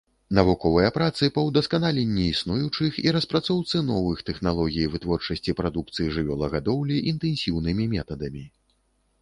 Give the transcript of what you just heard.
Навуковыя працы па ўдасканаленні існуючых і распрацоўцы новых тэхналогій вытворчасці прадукцыі жывёлагадоўлі інтэнсіўнымі метадамі.